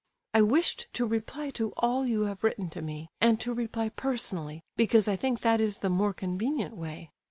I wished to reply to all you have written to me and to reply personally, because I think that is the more convenient way.